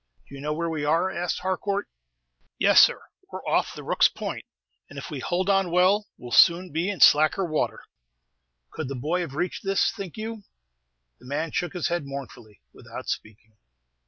"Do you know where we are?" asked Harcourt. "Yes, sir; we 're off the Rooks' Point, and if we hold on well, we 'll soon be in slacker water." "Could the boy have reached this, think you?" The man shook his head mournfully, without speaking.